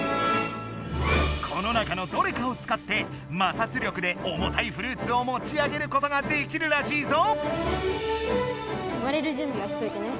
この中のどれかをつかって摩擦力でおもたいフルーツをもち上げることができるらしいぞ！